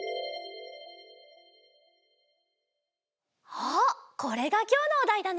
あっこれがきょうのおだいだね？